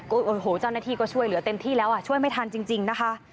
โอ้โหเจ้าหน้าที่ก็ช่วยเหลือเต็มที่แล้วอ่ะช่วยไม่ทันจริงนะคะ